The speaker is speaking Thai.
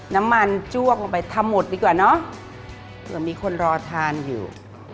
น้ำมันจ้วงลงไปทำหมดดีกว่าเนอะเผื่อมีคนรอทานอยู่